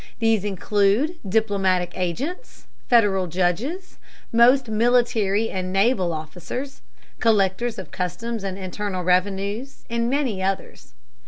These include diplomatic agents, Federal judges, most military and naval officers, collectors of customs and internal revenues, and many others.